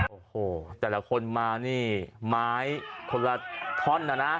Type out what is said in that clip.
โอ้โหแต่ละคนมานี่ไม้คนละท่อนนะนะ